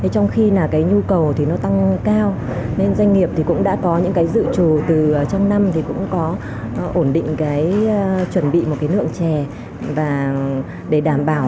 trong khi là cái nhu cầu thì nó tăng cao nên doanh nghiệp thì cũng đã có những cái dự trù từ trong năm thì cũng có ổn định cái chuẩn bị một cái lượng chè và để đảm bảo